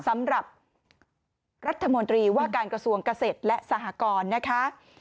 สำหรับรัฐมนตรีว่าการกระทรวงเกษตรและสหกรนะคะ